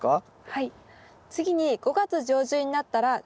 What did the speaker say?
はい。